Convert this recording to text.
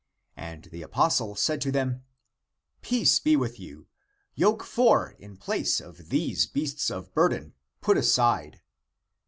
^ And the apostle said to them, " Peace be with you ! Yoke four in place of these beasts of burden put aside